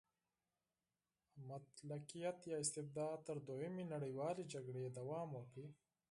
مطلقیت یا استبداد تر دویمې نړیوالې جګړې دوام وکړ.